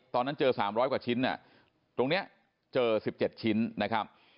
ตอนนั้นเจอ๓๐๐กว่าชิ้นตรงนี้เจอ๑๗ชิ้นนะครับ